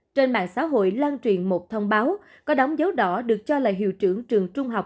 trên mạng xã hội lan truyền một thông báo có đóng dấu đỏ được cho là hiệu trưởng trường trung học